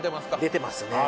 出てますね